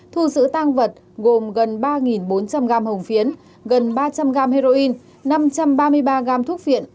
thu giữ tang vật gồm gần ba bốn trăm linh gam hồng phiến gần ba trăm linh gam heroin năm trăm ba mươi ba gam thuốc viện